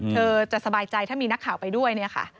เธอจะสบายใจถ้ามีนักข่าวไปด้วย